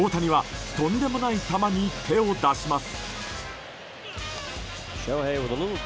第２打席、大谷はとんでもない球に手を出します。